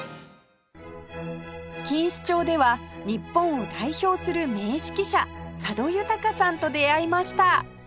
錦糸町では日本を代表する名指揮者佐渡裕さんと出会いました